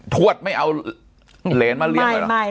ทวดไม่เอาเหรียญมาเลี้ยงเหรอ